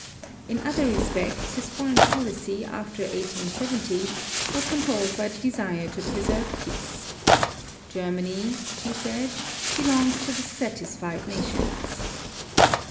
In other respects his foreign policy, after 1870, was controlled by the desire to preserve peace. "Germany," he said, "belongs to the satisfied nations."